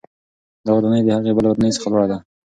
دا ودانۍ د هغې بلې ودانۍ څخه لوړه ده.